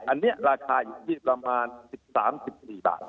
อันนี้ราคาอยู่ที่ประมาณ๑๓๑๔บาท